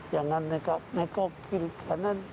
jangan nekok kiri kanan